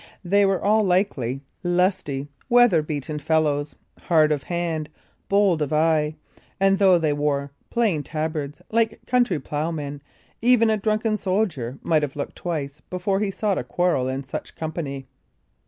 They were all likely, lusty, weather beaten fellows, hard of hand, bold of eye; and though they wore plain tabards, like country ploughmen, even a drunken soldier might have looked twice before he sought a quarrel in such company.